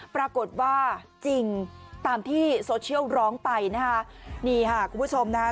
ปรากฏว่าจริงตามที่โซเชียลร้องไปนะคะนี่ค่ะคุณผู้ชมนะฮะ